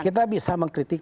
kita bisa mengkritik